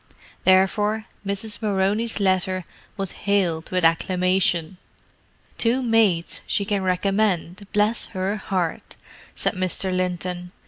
Therefore Mrs. Moroney's letter was hailed with acclamation. "Two maids she can recommend, bless her heart!" said Mr. Linton.